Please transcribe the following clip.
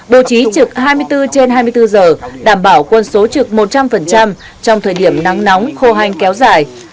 bố trí trực hai mươi bốn trên hai mươi bốn giờ đảm bảo quân số trực một trăm linh trong thời điểm nắng nóng khô hanh kéo dài